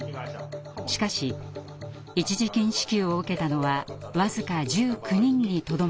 しかし一時金支給を受けたのは僅か１９人にとどまっています。